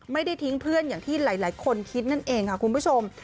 ไม่ได้ทิ้งเพื่อนอย่างที่หลายคนคิดนั่นเองค่ะคุณผู้ชม